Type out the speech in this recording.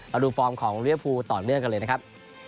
ราดูฟอร์มของลึกลบท่อนเรื่องกันเลยนะครับ